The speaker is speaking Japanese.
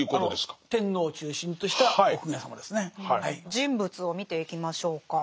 人物を見ていきましょうか。